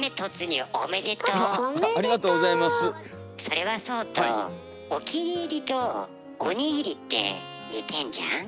それはそうと「お気に入り」と「お握り」って似てんじゃん？